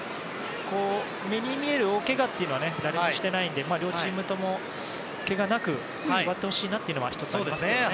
目に見える大けがというのは誰もしていないので両チームとも、けがなく終わってほしいなというのは１つ、ありますよね。